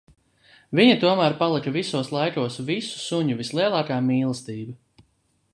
Viņa tomēr palika visos laikos visu suņu vislielākā mīlestība.